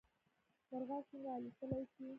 مرغان څنګه الوتلی شي؟